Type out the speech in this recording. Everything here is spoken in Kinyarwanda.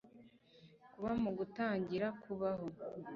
kuba, mu gutangira kubaho